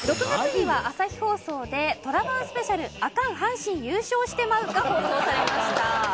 ６月には朝日放送で「虎バンスペシャル＃あかん阪神優勝してまう」が放送されました